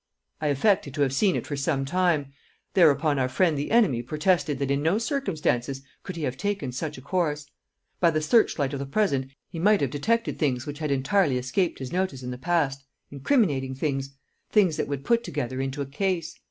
I affected to have seen it for some time; thereupon our friend the enemy protested that in no circumstances could he have taken such a course. By the searchlight of the present he might have detected things which had entirely escaped his notice in the past incriminating things things that would put together into a Case.